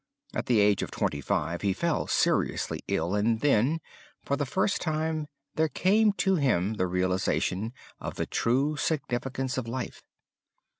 At the age of twenty five he fell seriously ill and then, for the first time, there came to him the realization of the true significance of life.